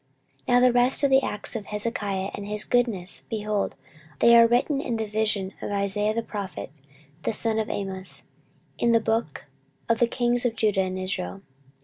14:032:032 Now the rest of the acts of Hezekiah, and his goodness, behold, they are written in the vision of Isaiah the prophet, the son of Amoz, and in the book of the kings of Judah and Israel.